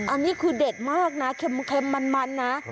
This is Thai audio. อันนี้คือเด็ดมากนะเค็มมันนะ